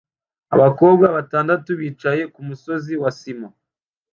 Abakobwa batandatu bicaye kumusozi wa sima